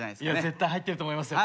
絶対入ってると思いますよ。